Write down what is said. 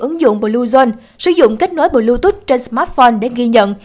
ứng dụng blue sử dụng kết nối bluetooth trên smartphone để ghi nhận